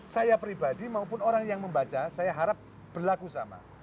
saya pribadi maupun orang yang membaca saya harap berlaku sama